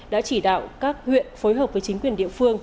đã chỉ đạo các huyện phối hợp với chính quyền địa phương